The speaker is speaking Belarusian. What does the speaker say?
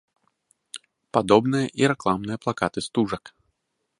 Падобныя і рэкламныя плакаты стужак.